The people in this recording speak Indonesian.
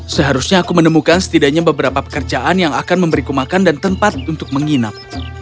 seharusnya aku menemukan setidaknya beberapa pekerjaan yang akan memberiku makan dan tempat untuk menginap